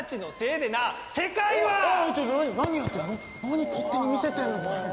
何勝手に見せてんのこれ。